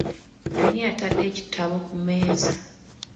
Ani atadde ekitabo ku mmeeza?